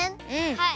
はい。